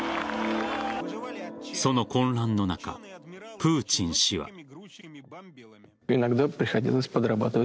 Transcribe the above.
その混乱の中、プーチン氏は。